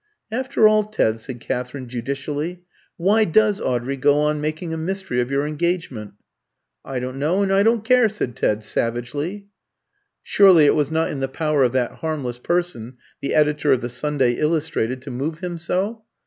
"After all, Ted," said Katherine, judicially, "why does Audrey go on making a mystery of your engagement?" "I don't know and I don't care," said Ted, savagely. Surely it was not in the power of that harmless person, the editor of the "Sunday Illustrated," to move him so?